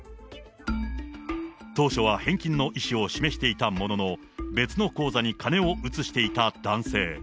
当初は返金の意思を示していたものの、別の口座に金を移していた男性。